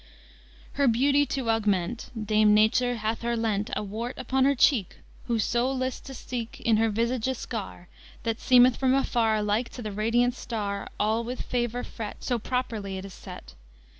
"Her beautye to augment. Dame Nature hath her lent A warte upon her cheke, Who so lyst to seke In her vyságe a skar, That semyth from afar Lyke to the radyant star, All with favour fret, So properly it is set.